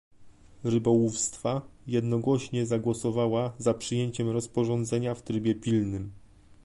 Rybołówstwa jednogłośnie zagłosowała za przyjęciem rozporządzenia w trybie pilnym